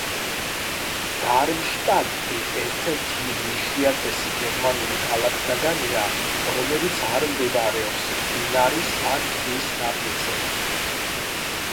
დარმშტადტი ერთ-ერთი იმ უიშვიათესი გერმანული ქალაქთაგანია, რომელიც არ მდებარეობს მდინარის ან ტბის ნაპირზე.